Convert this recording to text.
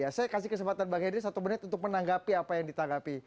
ya saya kasih kesempatan bang henry satu menit untuk menanggapi apa yang ditanggapi